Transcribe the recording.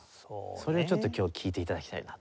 それをちょっと今日聴いて頂きたいなと。